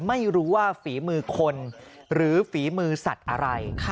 ไม่รู้ว่าฝีมือคนหรือฝีมือสัตว์อะไร